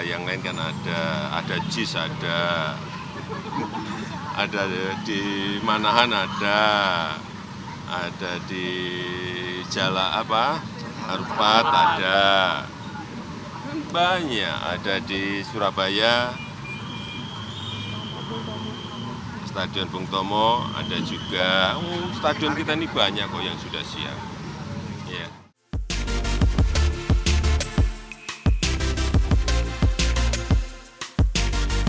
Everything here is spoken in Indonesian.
ada di manahan ada di jalapad ada di surabaya stadion bung tomo ada juga stadion kita ini banyak yang sudah siap